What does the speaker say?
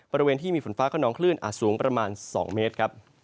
บริเวณที่มีฝนฟ้าขนองคลื่นอาจสูงประมาณ๒เมตรครับ